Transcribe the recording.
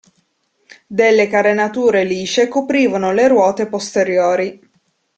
Delle carenature lisce coprivano le ruote posteriori.